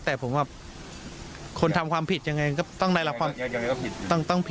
แต่ผมว่าคนทำความผิดยังไงก็ต้องได้รับโทษเต็ม